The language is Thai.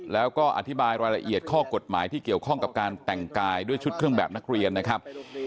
แล้วก็อธิบายรายละเอียดข้อกฎหมายที่เกี่ยวข้องกับการแต่งกายด้วยชุดเครื่องแบบนักเรียนนะครับ